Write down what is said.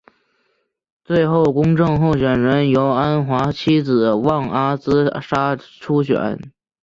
最后公正党候选人由安华妻子旺阿兹莎出选。